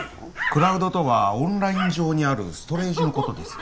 クラウドとはオンライン上にあるストレージのことです